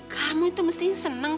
kamu itu mesti senang